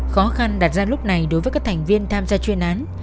khó khăn đặt ra lúc này đối với các thành viên tham gia chuyên án